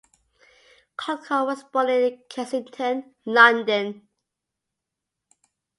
Callcott was born in Kensington, London.